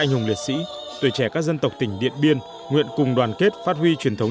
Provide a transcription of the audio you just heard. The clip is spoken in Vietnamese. anh hùng liệt sĩ tuổi trẻ các dân tộc tỉnh điện biên nguyện cùng đoàn kết phát huy truyền thống